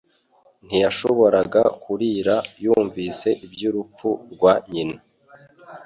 Ntiyashoboraga kurira yumvise iby'urupfu rwa nyina